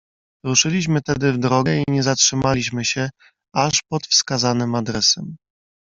"Ruszyliśmy tedy w drogę i nie zatrzymaliśmy się, aż pod wskazanym adresem."